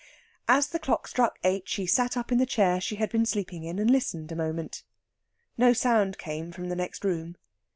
As the clock struck eight she sat up in the chair she had been sleeping in and listened a moment. No sound came from the next room.